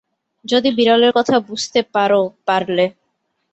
যদি বিড়ালের কথা বুঝতে পার-পারলে।